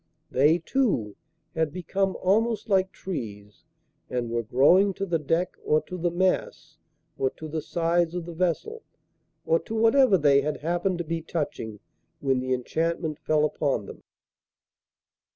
They, too, had become almost like trees, and were growing to the deck, or to the masts, or to the sides of the vessel, or to whatever they had happened to be touching when the enchantment fell upon them.